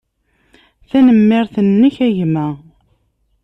Tanemmirt-nnek, a gma.